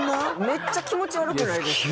めっちゃ気持ち悪くないですか？